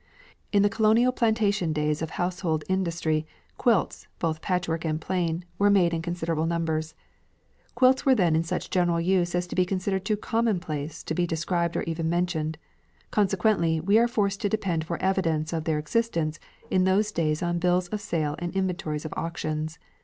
In the colonial plantation days of household industry quilts, both patchwork and plain, were made in considerable numbers. Quilts were then in such general use as to be considered too commonplace to be described or even mentioned. Consequently, we are forced to depend for evidence of their existence in those days on bills of sale and inventories of auctions.